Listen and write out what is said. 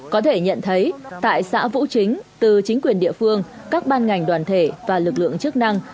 có thể nhận thấy tại xã vũ chính từ chính quyền địa phương các ban ngành đoàn thể và lực lượng chức năng